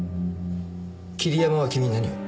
桐山は君に何を？